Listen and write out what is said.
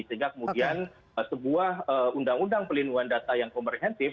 sehingga kemudian sebuah undang undang pelindungan data yang komprehensif